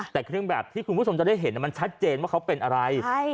แต่เครื่องแบบที่คุณผู้ชมจะได้เห็นมันชัดเจนว่าเขาเป็นอะไร